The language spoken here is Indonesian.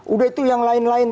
udah itu yang lain lain